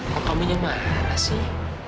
kok pembina marah sih